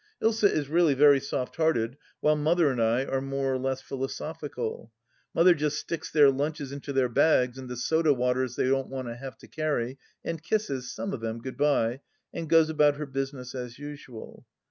Ilsa is really very soft hearted, while Mother and I are more or less philosophical. Mother just sticks their lunches into their bags and the soda waters they don't want to have to carry, and kisses — some of them — good bye and goes about her business as usual.